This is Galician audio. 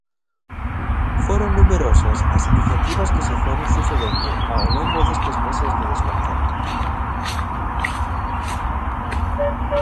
Foron numerosas as iniciativas que se foron sucedendo ao longo destes meses de desconcerto.